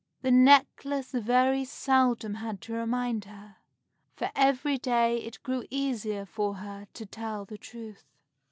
The necklace very seldom had to remind her, for every day it grew easier for her to tell the truth.